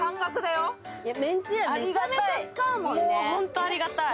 もうホントありがたい。